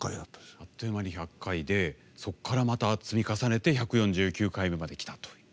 あっという間に１００回でそこから、また積み重ねて１４９回目まできた。